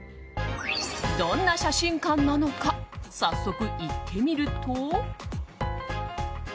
どんな写真館なのか早速、行ってみると。